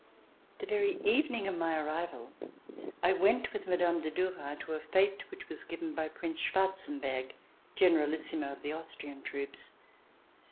The very evening of my arrival, I went with Mme. de Duras to a fete which was given by Prince Schwar zenberg, Generalissimo of the Austrian troops.